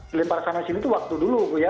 dilempar sana sini itu waktu dulu ya